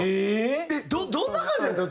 どんな感じやったの？